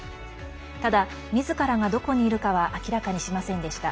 ただ、みずからがどこにいるかは明らかにしませんでした。